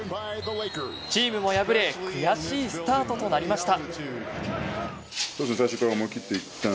チームも敗れ悔しいスタートとなりました。